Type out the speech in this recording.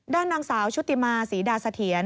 ด้านนางสาวชุติมาศรีดาเสถียร